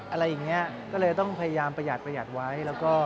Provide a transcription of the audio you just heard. อะไรอย่างนี้ก็เลยต้องพยายามประหยัดไว้